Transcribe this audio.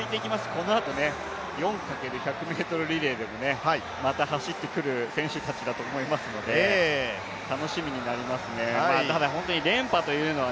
このあと、４×１００ｍリレーでもまた走ってくる選手たちだと思いますので楽しみになりますね、ただ本当に連覇というのは、